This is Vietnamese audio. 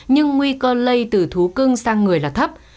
nhưng nguy cơ lây từ thú cưng sang người là thấp